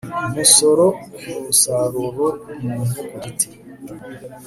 umusoro ku musaruro w umuntu ku giti